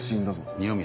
二宮